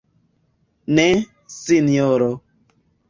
Ne, sinjoro.